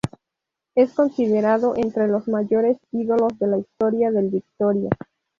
Es considerado entre los mayores ídolos de la historia del Victoria.